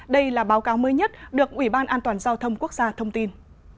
đây là báo cáo mới nhất được ủy ban an toàn giao thông quốc gia thông tin